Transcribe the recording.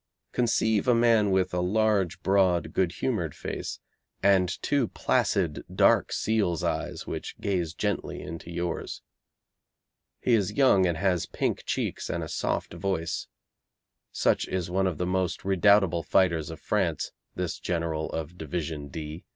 Conceive a man with a large broad good humoured face, and two placid, dark seal's eyes which gaze gently into yours. He is young and has pink cheeks and a soft voice. Such is one of the most redoubtable fighters of France, this General of Division D.